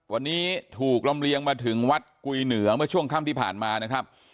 วันนี้ถูกลำเลียงมาถึงวัดกุยเหนือเมื่อช่วงค่ำที่ผ่านมานะครับ